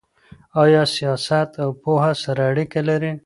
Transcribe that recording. ايا سياست او پوهه سره اړيکه لري؟